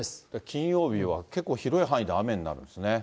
金曜日は結構広い範囲で雨になるんですね。